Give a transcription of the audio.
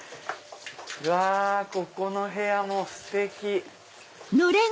うわここの部屋もステキ！